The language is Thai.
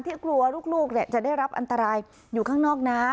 กลัวลูกจะได้รับอันตรายอยู่ข้างนอกนะ